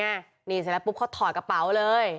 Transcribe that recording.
เสร็จแล้วเขาถอดกระเป๋าเลย